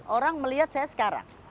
orang melihat saya sekarang